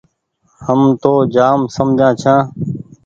هم تو جآم سمجها ڇآن۔